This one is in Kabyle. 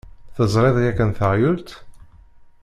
Teẓriḍ yakan taɣyult?